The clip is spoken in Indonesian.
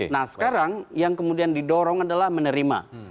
nah sekarang yang kemudian didorong adalah menerima